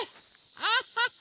アハッハ！